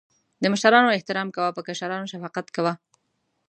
د مشرانو احترام کوه.په کشرانو شفقت کوه